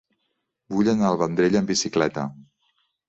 Vull anar al Vendrell amb bicicleta.